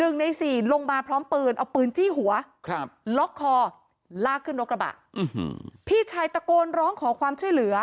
หนึ่งในสี่ลงมาพร้อมปืนเอาปืนจี้หัวครับล็อกคอลากขึ้นรถกระบะพี่ชายตะโกนร้องขอความช่วยเหลือ